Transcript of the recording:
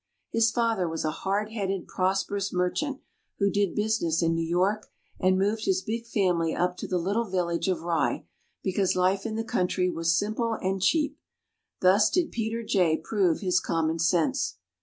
His father was a hard headed, prosperous merchant, who did business in New York, and moved his big family up to the little village of Rye because life in the country was simple and cheap. Thus did Peter Jay prove his commonsense.